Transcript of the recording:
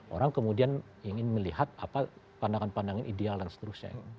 orang kemudian ingin melihat pandangan pandangan ideal dan seterusnya